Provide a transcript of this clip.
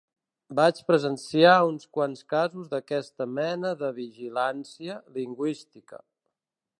Vaig presenciar uns quants casos d'aquesta mena de "vigilància" lingüística.